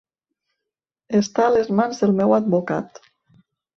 Està a les mans del meu advocat.